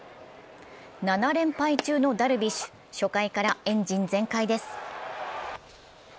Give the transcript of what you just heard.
７連敗中のダルビッシュ初回からエンジン全開です。